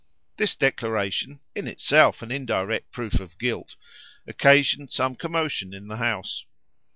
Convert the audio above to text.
This declaration, in itself an indirect proof of guilt, occasioned some commotion in the House.